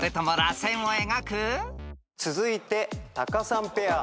続いてタカさんペア。